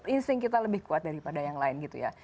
insting kita lebih kuat daripada yang lain gitu ya